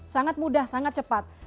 sangat mudah sangat cepat